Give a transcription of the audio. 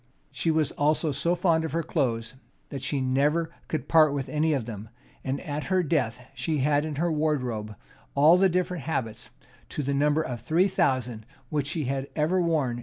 She was also so fond of her clothes, that she never could part with any of them; and at her death she had in her wardrobe all the different habits, to the number of three thousand, which she had ever worn in her lifetime.